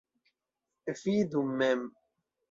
Vidu mem.